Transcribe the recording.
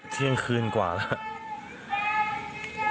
เที่ยงคืนกว่าแล้ว